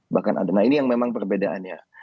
bahkan ada nah ini yang memang perbedaannya